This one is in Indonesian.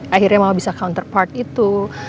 akhirnya mama bisa counter part itu